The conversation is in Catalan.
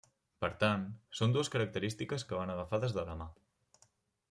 Per tant, són dues característiques que van agafades de la mà.